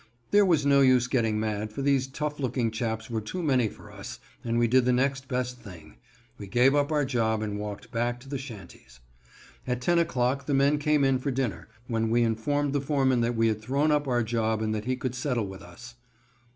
There was no use getting mad, for these tough looking chaps were too many for us, and we did the next best thing. We gave up our job and walked back to the shanties. At 10 o'clock the men came in for dinner, when we informed the foreman that we had thrown up our job and that he could settle with us.